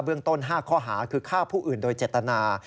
เรื่องต้น๕ข้อหาคือฆ่าผู้อื่นโดยเจตนา